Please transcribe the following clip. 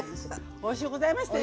おいしゅうございましたよ